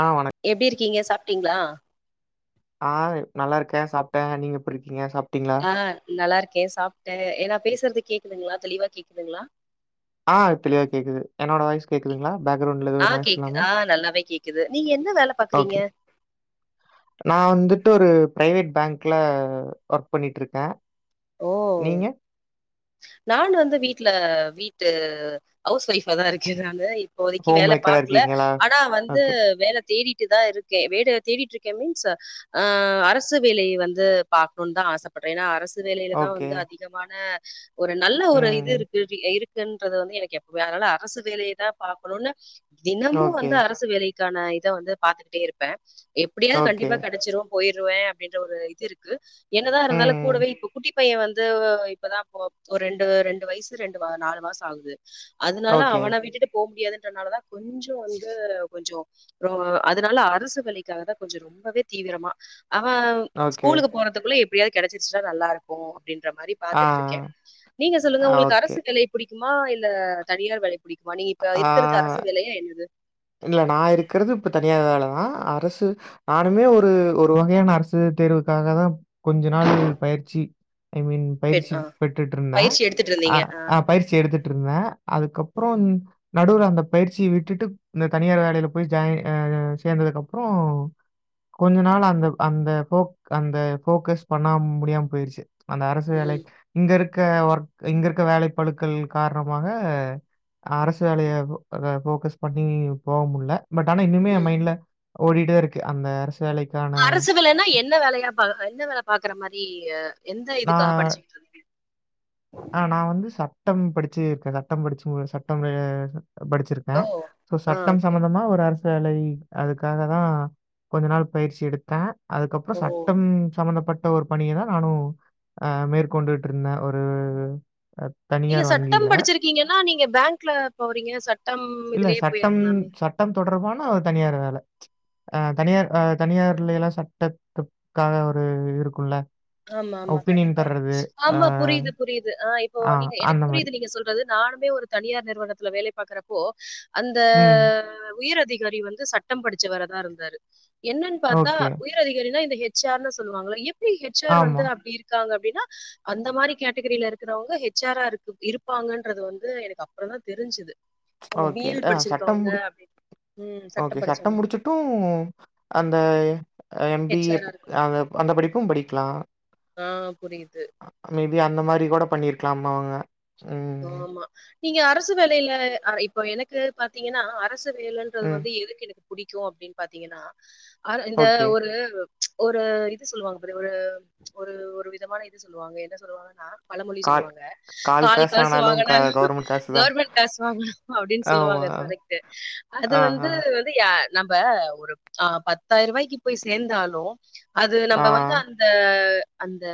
ஆ வணக் எப்டி இருக்கீங்க சாப் ட்டீங்களா ஆ நல்லாருக்கே சாப்ட்ட நீங்கெப்டிருக்கீங்க சாப் ஆ நல்லாருக் கே சாப்ட்ட ஏன்னா பேசுறது கேக்குதுங்ளா தெளிவா கேக்குதுங்ளா ஆஹ தெளிவா கேக்குது என்னோட வாய்ஸ் கேக்குதுங்களா பேக்கிரவுண்ட்ல ஆ கேக்கு எதுவுநாய்ஸ்லாம ஆ நல்லாவே கேக்குது நீங்க என்ன வேல பாக்குறீங்க ஒகே நா வந்துட்டு ஒரு பிரைவேட் பேங்ல க்ல ஒர்க் பண்ணிட்ருக்கே நீங்க நானு வந்து வீட்ல வீட்டு ஹவுஸ் ஒய்ஃபா தா ருக்க நானு இப்போதிக்கு ஹோம் வேல மேக்கரா பாக்ல இருக்கீங்களா? ஆனா வந்து ஓகே. வேல தேடிட் தா இருக்கே வேட தேடிட்ருக்கே மீன்ஸ் அ அரசு வேலய வந்து பாக்கன் தா ஆசப்பட்றே ஏன்னா அரசு வேலைல தா ஓகே. வந்து அதிகமான ஒரு நல்ல ஒரு ம். இது இருக்கு இருக் ன்றது வந்து எனக்கு எப்பவு அதனால அரசு வேலைய தா பாக்கணும்னு தினமு ஓகே. வந்து அரசு வேலை கான இத வந்து பாத்துக்கிட்டே இருப்ப எப்டியாவ்து ஓகே. கண்டிப்பா கடச்சிரு போயிருவ அப்டின்ற ஒரு இது இருக்கு என்னதா இருந்தாலு ம். கூடவே இப்ப குட்டி பைய வந்து இப்பதா ஓ ரெண்டு ரெண்டு வய்சு ரெண்டு நாலு மாச ஆகுது அதனால ஓகே. அவன விட்டுட்டு போ முடியாது னால தா கொஞ்சொ வந்து கொஞ்சொ ரோ அதனால அரசு வேலக்காகதா கொஞ்ச ரொம்பவே தீவிரமா அவ ஓகே. ஸ்கூலுக்கு போறதுக்குள்ள ப்டியாது கெடசிச்னா நல்லாருக்கு ப்டின்ற மாரி ஆ. பாத்துட்ருக் கே நீங்க சொல்லுங்க ஆ. உங்களுக்கு ஓகே. அரசு வேலை புடிக் மா இல்ல தனியார் வேலை புடிக்குமா நீங்க இப்ப இருக்குறது ஆ. அரசு வேலயா என்னது இல்ல நா இருக்குறது இப்ப தனியா வேலதா அரசு நானுமே ஒரு ஒரு வகையான அரசு தேர்வுக்காக தா கொஞ்ச நாள் பயிற்சி ஐ மீன் பெண் பயிற்சி ஆ பெட்டுட்டு இருந்தே பயிற்சி எடுத்துட்டு அ இருந்தீங்க ஆ அ பயிற்சி எடுத்து இருந்த அதுக்கப்புறோ நடுவுர் அந்த பயிற்சிய விட்டுட்டு இந்த தனியார் வேலயில போய் ஜாய் சேந்ததுக்கு அப்புறோ கொஞ்ச நாள் அந்த அந்த அந்த போக்கஸ் பண்ண முடியாம போயிருச்சு அந்த அரசு ம் வேலைக் இங்க இருக் ஒர்க இங்க இருக்க வேலை பழுக்கள் கார்ணமாக அரசு வேலய போக்கஸ் பண்ண இ போ முல்ல பட் ஆனா இன்னுமே என் ம் மைண்ட்ல ஓடிட்டே இருக்கு அந்த வேலைக்கான அரசு வேலன்னா என்ன வேலயா என்ன வேல பாக்குற மரி எந்த இதுக்காக படிச்சுக்கிட்ருந்தீங்க ஆ நா வந்து சப் சட்டம் படிச்சு இருக்க சட்டம் படிச்சு சட்டம் படிச்சிருக்கே ஓ சோ ஆ சட்டம் ஓகே சம்பந்தமா ஒரு அரசு சேலரி அதுக்காக தா கொஞ்சு நாள் பயிற்சி எடுத்தே அதுக்கப்புறோ ஓ சட்டம் சம்மந்தப்பட் ட ஒரு பணிய தா நானும் ஆ மேற்கொண்டுட்டு இருந்தே ஒரு ம் நீங்க சட்டம் படிச்சிருக்கீங்கன்னா நீங்க பேங்க்ல போறீங்க சட்டம் இல்ல இதுலயே சட்டம் போயிருக்கலாமே. சட்டம் தொடர்பான அவ தனியார் வேலை ம்ச் தனியார் தனியார்ல எல்லா சட்டத்துக்காக ஒரு இருக்குல ஆமா ஆமா கண்டிப்பா அ ஆமா புரியுது புரியுது ஆ இப் ஓ நீங்க எனக்கு அந்த மாரி. புரியுது நீங்க சொல்றது நானுமே ஒரு தனியார் நிறுவனத்துல வேலை பாக்குறப்போ அந்த ம். உயர்அதி காரி வந்து சட்டம் படிச்ச வரதா இருந்தாரு என்னன்னு பாத்தா ஓகே. உயர் அதிகாரனா ஹெச் ஆர் சொல்லுவாங்களா எப்பிடி ஹெச் ஆர் வந்து ஆமா. அப்படி இருக்காங்க அப்படின்னா அந்த மாரி கேட்டகரியில இருக்கிறவங்க ஹச் ஆர் ஆ இருப்பாங்ஙகன்றது வந்து எனக்கு அப்புறோ தா தெரிஞ்சுது ஓக்கே ஆ சட்டம் முடிச் ம். ஓக்கே படிச்சவங்க சட்டம் தான். முடிச்சுட்டு அந்த எம் பி ஏ ஹெச்ஆரா இருக்காங்க. ஆ அந்த படிப்பும் படிக்கலா ஆ புரியுது. மேபி அந்த மாரி கூட பண்ணிருக்கலாம் மவாங்க ஆமா நீங்க அரசு வேலையில ஆ இப்போ எனக்கு பாத்தீங்கன்னா அரசு வேலன்றது ம். வந்து எதுக்கு புடிக்கு அப்படின் பாத்தீங்கன்னா ஆ இந்த ஓகே. ஒரு ஒரு இது சொல்லுவாங்க ஒரு ஒரு ஒரு விதமான இது சொல்லுவாங்க என்ன சொல்லுவாங்கன்னா பழமொழி கால் சொல்லுவாங்க கால் காசு காஸு ஆனாலும் க வாங்குனாலு கவர்மெண்ட் காசு தான். கவர்மெண்ட் காசு வாங்கனு அப்டின்னு ஆமா. சொல்லுவாங்க கரெக்டு அது ஆஹா. வந்து வந்து ஆ நம்ம ஒரு ஆ பத்தாயிரூபாய்க்கு போய் சேந்தாலு அது ஆ. நம்ம வந்து அந்த அந்த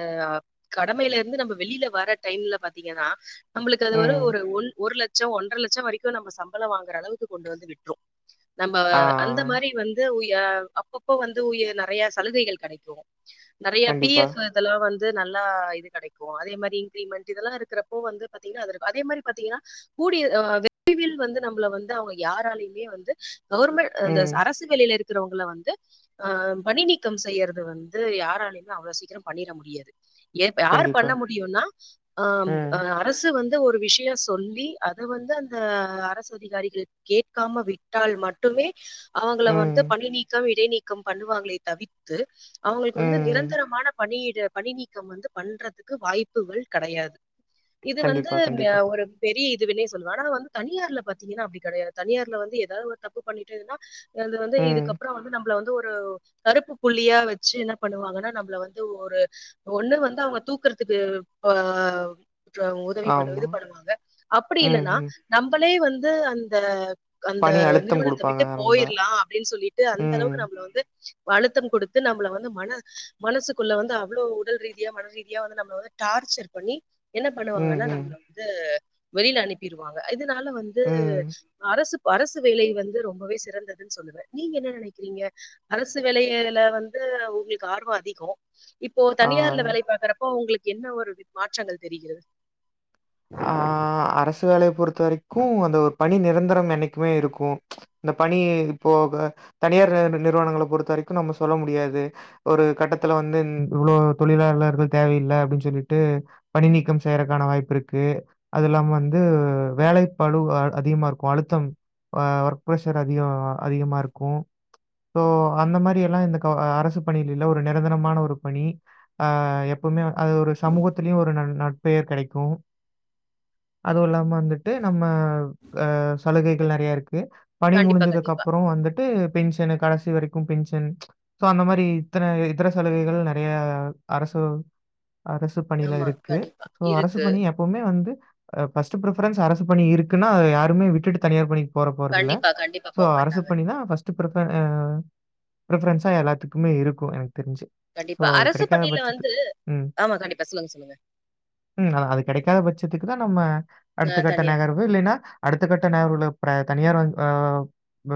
கடமைலருந்து நம்ம வெளில வர டைம்ல பாத்தீங்கன்னா நம்மளுக்கு அது வரு ம். ஒரு ஒன் ஒரு லட்ச் சோ ஒன்ற லட்சோ வரைக்கு நம்ப சம்பள வாங்குற அளவுக்கு கொண்டு வந்து விட்றோ நம்ப வ ஆ. அந்த மாரி வந்து உய் யா அப்பப்போ வந்து உயர் நெறைய சலுகைகள் கெடைக்கோ நெறைய பி கண்டிப்பா. எஃப் இதெல்லா வந் து நல்லா இது கெடைக்கோ அதே மாரி இன்க்ரிமெண்ட்டு இதெல்லா இருக்கிறப்போ வந்து பாத்தீங்கனா அதுருக்கோ அதே மாரி பாத்தீங்கனா கூடி யா வெற்றிவேல் வந்து நம்மள வந்து அவுங்க யாராலையுமே வந்து கவுர்மெண்ட் அ இந்த ம். ச அரசு வேலைல இரு குறவங்கள வந்து ஆ பணி நீக்கம் செய்யறது வந்து யாராலயுமே அவ்ளோ சீக்கிரம் பண்ணீற முடியாது யேர்ப் யார் கண்டிப்பா. பண்ண முடியுன்னா ஆம் ஆ ம், து வந்து ஒரு விஷயோ சொல்லி அத வந்து அந்த அரசு அதிகாரிகள் கேட்காம விட்டால் மட்டுமே அவுங்கள வந்து ம், பணி நீக்கம் இ டே நீக்கம் பண்ணுவாங்களே தவித்து அவுங்குளுக்கு வந்து ம். நிரந்தரமான பணியிட பணி நீக்கம் வந்து பண்றதுக்கு வாய்ப்புகள் கெடையாது இது வந்து கண்டிப்பா, கண்டிப்பா. மேயாவ் ஒரு பெரிய இ இது இவனே சொல்வானா வந்து தனியார்ல பாத்தீங்கனா அப்டி கெடையாது தனியார்ல வந்து ஏதா ஒரு தப்பு பண்ணிட்டேன என்து வந்து ம். இதுக்கப்பறோ வந்து நம் ப்ல வந்து ஒரு கருப்பு புள்ளியா வெச்சி என்ன பண்ணுவாங்கனா நம்மள வந்து ஒரு ஒன்னு வந்து அவுங்க தூக்கறதுக்கு வா றா அவு உதவி பண்ண ஆமா. இது பண்ணும்போது அப்பிடி ம், இல்லன்னா ம். நம்பளே வந்து து அந்த அந்த பணி அழுத்தம் நிறுவனந்த குடுப்பாங்க விட்டு ரொம்ப. போயிர்லா அப்டின்னு சொல்லிட்டு அந்த ம், அளவுக்கு நம்பள வந்து அழுத்தம் கொடுத்து நம்பள வந்து மன மனசுக்குள்ள வந்து அவ்ளோ உடல்ரீதியா மனரீதியா வந்து நம்பள வந்து டார்ச்சர் பண்ணி என்ன ம், பண்ணுவாங்கனா ம், நம்ல வந்து வெளில அனுப்பிருவாங்க இது தால வந்து ம். அரசு வ அரசு வேலை வந்து ரொம்பவே சிறந்ததுன்னு சொல்லுவே நீங்க என்ன நெனைக்கிறீங்க அரசு வேலையேயில வந்து உங்குளுக்கு ஆர்வோ அதிகோ இப்போ தனியார்ல ஆ. வேலை பாக்குற போ உங்ளுக்கு என்ன ஒரு வித் மாற்றங்கள் தெரிகிறது ஆ அரசு வேலைய பொறு த வரைக்கு அந்த ஒரு பணி நிரந் தரம் என்னிக்குமே இருக்கோ ச்ச இந்த பணி இதுப்போக தனியார் நி நிறுவனங்கள பொறுத்த வரைக்கும் நம்ம சொல்ல முடியாது ஒரு கட்டத்துல வந்து இந் இவ்ளோ தொழிலாளர்கள் தேவையில்லை அப்டின்னு சொல்லிட்டு பணி நீக்கம் செய்யறக்கான வாய்ப்பு இரு கு அது இல்லாம வந்து வேலை பழு அ அதிகமா இருக்கோ அழுத்தம் ஆ ஒர்க் பிரஸர் அதிக அதிகமா இருக்கோ சோ அந்த மாரி எல்லா இந்த கவு அ அரசு பணில இல்ல ஒரு நிரந்தரமான ஒரு பணி ஆ எப்புமே அது ஒரு சமூகத்திலையு ஒரு நன் ந பேர் கெடைக்கும் அதுவு இல்லாம வந்துட்டு நம்ம ஆஹ் சலுகைகள் நறையா இருக்கு பணி கண்டிப்பா முடிஞ்சதுக்கு கண்டிப்பா அப்புற வந்துட்டு பென்ஷனுக் கடைசி வரைக்கு பென்ஷன் சோ அந்த மாரி இத்தன இதர சலுகைகள் நறைய அரசு அரசு பணியில ஆமா இருக்கு கண்டிப்பா சோ அரசு இருக்கு பணி எ ப்பவுமே வந்து ஃபஸ்ட் பிரிஃபெரென்ஸ் அரசு பணி இருக்குன்னா அத யாருமே விட்டுட்டு தனியார் பணி போற போறது இல்ல கண்டிப்பா கண்டிப்பா சோ போக அரசு மாட்டாங்க பணி தா ஃபஸ்ட்டு பிரிஃபெ அ பிரிஃபெரென்ஸா எல்லாத்துக்குமே இருக்கு எனக்கு தெரிஞ்சு. ஸோ கண்டிப்பா அது அரசு கிடைக்காத பணியில பட்சத்து வந்து ம். ஆமா கண்டிப்பா சொல்லுங்க சொல்லுங்க ம். அதான் அது கிடைக்காத பட்சத்துக்கு தா நம்ம அடுத்த அஹ் கட்ட தனியார் நகர்வு இல்லனா அடுத்த கட்ட நகர்வுல இப்ப தனியார் ஆஹ்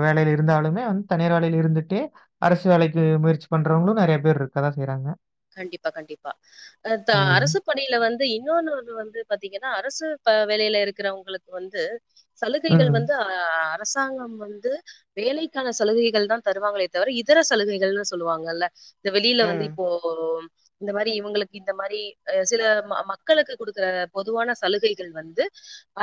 வேலையில இருந்தாலுமே வந்து தனியார் வேலையில இருந்துட்டே அரசு வேலைக்கு முயற்சி பண்றவங்களு நறைய பேர் இருக்கதா செய்யறாங்க கண்டிப்பா கண்டிப்பா ஆஹ் த ம். அரசு பணியில வந்து இன்னொன்னு வந்து இப்ப பாத்தீங்கன்னா அரசு ப வேலையில இருக்கிறவங்களுக்கு வந்து சலுகைகள் ம். வந்து அ அரசாங்கம் வந்து வேலைக்கான சலுகைகள் தான் தருவாங்களே தவிர இதர சலுகைகள்ன்னு சொல்லுவாங்கல்ல இந்த வெளியில வந்து ம். இப்போ போ இந்த மாதிரி இவங்களுக்கு இந்த மாரி சில மக்களுக்கு குடுக்குற பொதுவான சலுகைகள் வந்து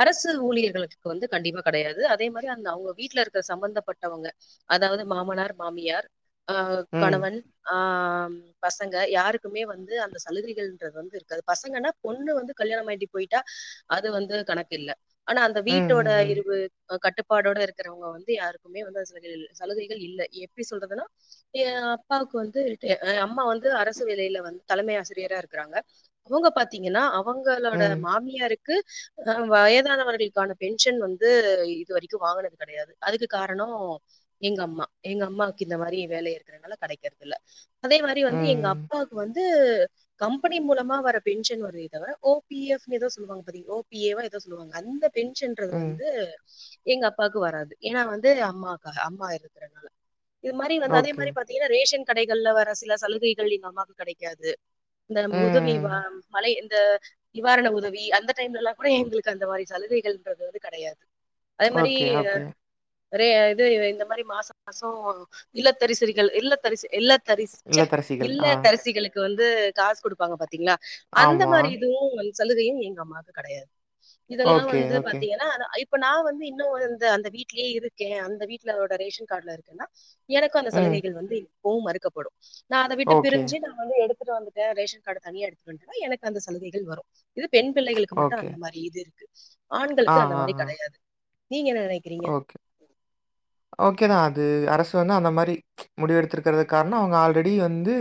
அரசு ஊழியர்களுக்கு வந்து கண்டிப்பா கெடையாது அதே மாரி அந்த அவுங்க வீட்டுல இருக்கிற சம்பந்தப்பட்டவங்க அதாவது மாமனார் மாமியார் ஆஹ் ம். கணவன் ஆஹ் அம் பசங்க யாருக்குமே வந்து அந்த சலுகைகள்ன்றது வந்து இருக்காது பசங்கன்னா பொண்ணு வந்து கல்யாணம் ஆயிட்டு போயிட்டா அது வந்து கணக்கு இல்ல ஆனா அந்த ம். வீட்டோட ம். இருவு கட்டுப்பாடோட இருக்கிறவங்க வந்து யாருக்குமே வந்து அந்த சலுகைகள் இல்லை எப்படி சொல்றதுன்னா எ அப்பாவுக்கு வந்து அம்மா வந்து து அரசு வேலையில வந்து தலைமை ஆசிரியரா இருக்கறாங்க அவுங்க பாத்தீங்கன்னா அவுங் அவங்களோட ம். மாமியாருக்கு கு வயதானவர்களுக்கான பென்ஷன் வந்து இது வரைக்கு வாங்குனது கடையாது அதுக்கு காரண எங்க அம்மா எங்க அம்மாக்கு இந்த மாரி வேலை இருக்கனால கடைக்கறதில்ல அதே எங்க ம். அப்பாவுக்கு வந் து கம்பெனி மூலமா வர பென்ஷன் ஒரு இது ஓ பி எஃப் னு எதுவோ சொல்லுவாங்க பா ஓ பி ஏ வோ ஏதோ சொல்லுவாங்க அந்த பென்ஷன்றது ம். வந்து எங்க அப்பாவுக்கு வராது ஏன்னா வந்து அம்மாக்காக அம்மா இருக்கறனால இது மாரி வந்து அதே ஓகே. மாரி பாத்தீங்கன்னா ரேஷன் கடைகள்ல வர சில சலுகை கள் எங்கம்மாக்கு கெடைக்காது இந்த நம் உதவி ம். வ வளையல் இந்த நிவாரண உதவி அந்த டைம்லல்லா கூட எங்களுக்கு அந்த மாரி சலுகைகள்ன்றது வந்து கடையாது அது மாரி ஓகே, ஓகே. நெறைய இது இந்த மாரி மாசம் மாசம் இல்லத்தரிசரிகள் இல்லத்தரிச இல்ல தரிச இல்லத்தரசிகள். இல்ல ஆ. தரிசிளுக்கு க்கு வந்து காசு குடுப்பாங்க பாத்த ங்களா அந்த ஆமா. மாரி இதுவும் வந்து சலுகையு எங்க அம்மாக்கு கெடையாது இதெல்லா ஓகே, வந்து ஓகே. பாத்தீங்கன்னா இப்ப நா வந்து இன்னு வந்து அந்த வீட்லேயே இருக்கே அந்த வீட்டுலோட ரேஷன் கார்டுல இருக்கேன்னா எனக்கான ம். சலுகைகள் வந்து இப்பவும் மறுக்கப்படும் நா அத விட்டு ஓகே, பிரிஞ்சு நா வந்து எடு வந்துட்டு ரேஷன் கார்டு தனியா எடுத்துக்கன்னா எனக்கு அந்த சலுகைகள் வரும் இது பெண் பிள்ளைகளுக்கு மட்டு ஓகே. அந்த மாரி இது இருக்கு ஆ, ஆண்களுக்கு அந்த ஆ, மாரி ஆ. கெடையாது நீங்க என்ன நெனைக்கிறீங்க ஓகேதா அது அரசு வந்து அந்த மாரி முடிவு எடுத்திருக்கிறது காரணம் அவங்க ஆல்ரெடி வந்து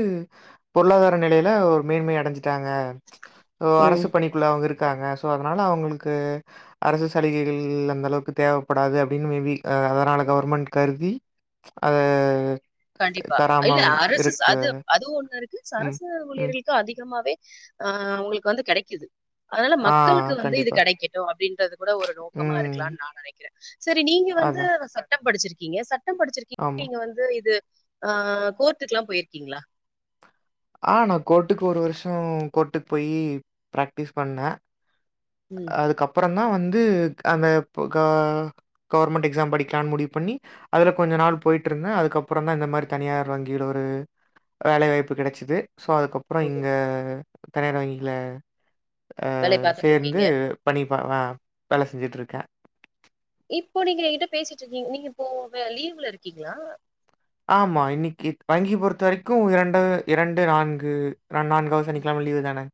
பொருளாதார நிலையில ஒரு மேன்மை அடஞ்சி ட்டாங்க ம் அரசு பணிக்குள்ள அவங்க இருக்கு இருக்காங்க அதனால அவங்களுக்கு அரசு சலுகைகள் அந்த அளவுக்கு தேவப்படாது அப்டின்னு மேபி அதனால கவர்மெண்ட் கருதி அத கண்டிப்பா தராம இல்ல அரசு இருக்கு. அது அதுவு ஒண்ணு இருக்கு ம், அரசு ம். ஊழியர்களுக்கு அதிகமாவே ஆஹ் அவ்ங்ளுக்கு வந்து கெடைக்குது அதால ஆ மக்களுக்கு வந்து இது கண்டிப்பா. கெடைக்கட்டு அப்டின்றது கூட ஒரு நோக்கமா ம். இருக்கலாம்னு நா நெனைக்கிறே செரி நீங்க வந்து அதான். சட்டம் படிச்சிருக்க இருக்கீங்க சட்டம் படிச்சிருக்கீங்க ஆமா. நீங்க வந்து இது ஆஹ் கோர்ட்டுக்குல்லா போயிருக்கீங்ளா ஆஹ் நா கோர்ட்டுக் ஒரு வருஷம் கோர்ட்டுக் போய் பிராக்டிஸ் பண்ணே ம். அதுக்கப்புறம் தா வந்து அந்த க கவர்மெண்ட் எக்ஸாம் படிக்லான்னு முடிவு பண்ணி அதில் கொஞ்சநாள் போய்ட்டிருந்தே அதுக்கப்புறம் தா இந்த மாரி தனியார் வங்கியில ஒரு வேலை வாய்ப்பு கெடச்சிது சோ அதுக்கப்புறோ ஓ! இங்க தனியார் வங்கில வேலை பாத்திட்ரு இருந்து பண்ணி இப்பவா வேல செஞ்சுட்ருக்கே இப்போ நீங்க என்கிட்ட பேசிட்ருக்கீங்க நீங்க இப்போ லீவ்ல இருக்கீங்ளா ஆமா இன்னைக்கி வங்கி பொறுத்த வரைக்கு இரண்டு இரண்டு நான்கு நா நான்காவது சனிக்கிழம லீவு தானே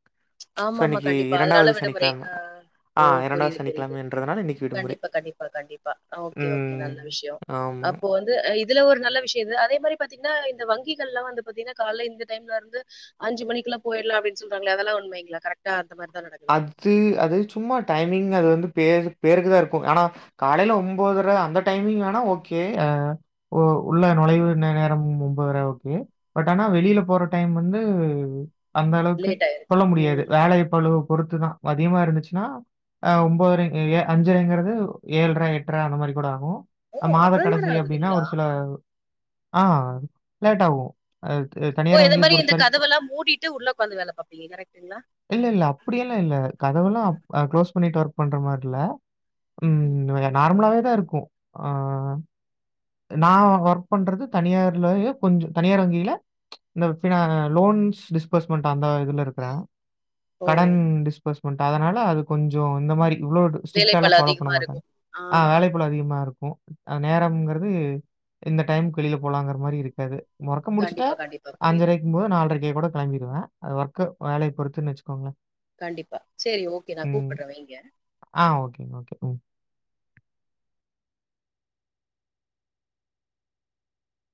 ஸோ, ஆமா ஆமா இன்னைக்கு கண்டிப்பா அதனால விடுமுறை சனிக்கிழமை. ஆ ஆ ஓ புரியுது புரியுது சனிக்கிழமைன்றதுனால இன்னைக்கு விடுமுறை. கண்டிப்பா கண்டிப்பா கண்டிப்பா ஓக்கே ஓக்கே ம். நல்ல விஷயோ ஆமா. அப்போ வந்து இதுல ஒரு நல்ல விஷயோ ஏது அதே மாரி பாத்தீங்கன்னா இந்த வங்கிகள்லா வந்து பாத்தீங்கனா கால இந்த டைம் இருந்து அஞ்சு மணிக்குல போயிர்லா அப்டினு சொல்றாங்ளே அதெல்லா உண்மை கரெக்டா அத்து அது சும்மா டைமிங் அது வந்து பேரு பேருக்குதா இருக்கும் ஆனா காலைல ஒம்போதரை அந்த டைமிங் ஆனா ஓக்கே உள்ள நுழைவு நேரம் ஒம்போதர ஓக்கே பட் ஆனா வெளியில போற டைம் வந்து அந்த அளவுக்கு லேட் ஆயிருது. சொல்ல முடியாது ம். வேலை பழு பொறுத்துதா மதியமா இருந்துச்சுனா ஒம்போதரை ஏ அஞ்சரைங்கிறது ஏழ்ர எட்ர அந்த மாரி கூட ஆகு ஓ! மாத அவ்வளோ கடைசி நேரம் அப்டின்னா ஆகுதுங்களா? ஒரு சில ஆ லேட் ஆகு ஓ இது மாரி இந்த கதவெல்லாம் மூடிட்டு உள்ள உட்காந்து வேலை பாப்பீங்க கரெக்டுங்ளா கதவெல்லா க்ளோஸ் பண்ணிட்டு ஒர்க் பண்ற மாரில்ல ம் நார்மலாவே இருக்கும் ஆ நா ஒர்க் பண்றது தனியார்லயே கொஞ்சு தனியார் வங்கியில இந்த பி லோன் டிஸ்பர்ஸ்மெண்ட் அந்த இதுல இருக்றே ஓ! கடன் டிஸ்பஸ் பட் அதனால அது கொஞ்சு இந்த மாரி இவ்ளோ ஸ்டிரிக்டாலா வேலைப்பளு ஃபாலோ பண்ண அதிகமா மாட்டாங்க இருக்கும். ஆ வேலை பளு அதிகமா இருக்கு நேரம்ங்கிறது இந்த டைம் வேளியில போலாங்கற மாதிரி இருக்காது வர்க்க முடிச்சட்டா கண்டிப்பா, கண்டிப்பா. புரியுது. அஞ்சரைக்கு போது நாலரை கூட கிளம்பிடுவே வர்க்கு வேலைய பொறுத்துன்னு வச்சுக்கோங்களே கண்டிப்பா சேரி ஓக்கே நா கூப்பிடுறே வைங்க ஆ ஓகேங்க, ஓகே. ம்.